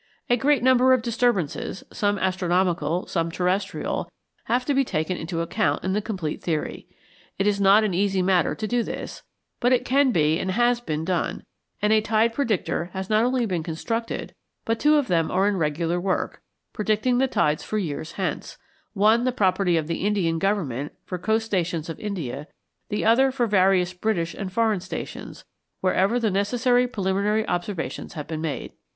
A great number of disturbances, some astronomical, some terrestrial, have to be taken into account in the complete theory. It is not an easy matter to do this, but it can be, and has been, done; and a tide predicter has not only been constructed, but two of them are in regular work, predicting the tides for years hence one, the property of the Indian Government, for coast stations of India; the other for various British and foreign stations, wherever the necessary preliminary observations have been made.